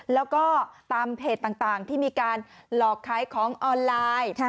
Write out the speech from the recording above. แล้วก็ตามเพจต่างที่มีการหลอกขายของออนไลน์